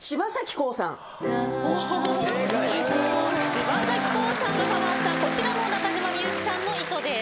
柴咲コウさんがカバーしたこちらも中島みゆきさんの『糸』です。